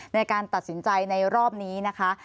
ในการตัดสินใจในรอบนี้นะคะ